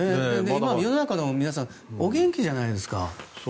今、世の中の皆さんお元気じゃないですか。